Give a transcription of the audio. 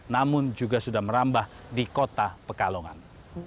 namun juga sudah merambah di kota pekalongan